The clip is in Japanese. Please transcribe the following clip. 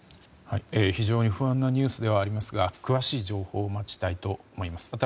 非常に不安なニュースではありますが詳しい情報を待ちたいと思います。